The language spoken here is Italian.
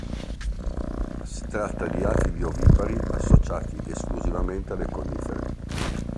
Si tratta di afidi ovipari associati esclusivamente alle Conifere.